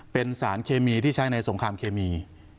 เป็นสารเคมีที่ใช้ในสงครามเคมี